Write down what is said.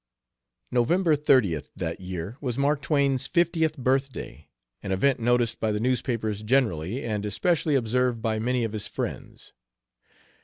November 30th that year was Mark Twain's fiftieth birthday, an event noticed by the newspapers generally, and especially observed by many of his friends.